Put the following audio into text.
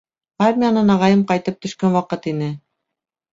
Армиянан ағайым ҡайтып төшкән ваҡыт ине.